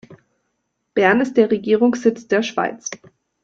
Bern ist der Regierungssitz der Schweiz.